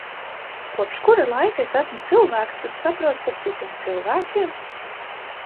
Kopš kura laika es esmu cilvēks, kas saprotas ar citiem cilvēkiem?